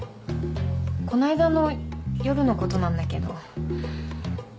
この間の夜のことなんだけど。